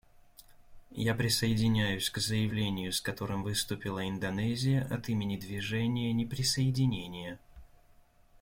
Я присоединяюсь к заявлению, с которым выступила Индонезия от имени Движения неприсоединения.